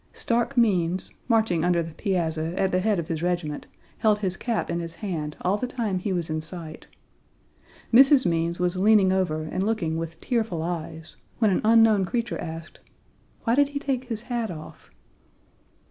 Stark Means, marching under the piazza at the head of his regiment, held his cap in his hand all the time he was in sight. Mrs. Means was leaning over and looking with tearful eyes, when an unknown creature asked, "Why did he take his hat off?"